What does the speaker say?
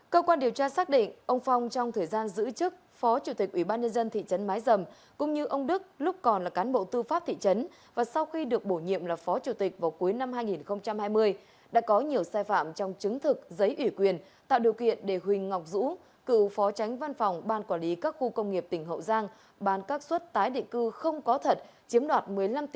cơ quan điều tra xác định ông phong trong thời gian giữ chức phó chủ tịch ủy ban nhân dân thị trấn mái dầm cũng như ông đức lúc còn là cán bộ tư pháp thị trấn và sau khi được bổ nhiệm là phó chủ tịch vào cuối năm hai nghìn hai mươi đã có nhiều sai phạm trong chứng thực giấy ủy quyền tạo điều kiện để huynh ngọc dũ cựu phó tránh văn phòng ban quản lý các khu công nghiệp tỉnh hậu giang ban các suất tái định cư không có thật chiếm đoạt một mươi năm tỷ đồng của hai mươi hai người